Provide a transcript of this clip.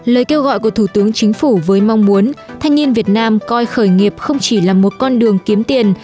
lời kêu gọi của thủ tướng chính phủ với mong muốn thanh niên việt nam coi khởi nghiệp không chỉ là một con đường kiếm tiền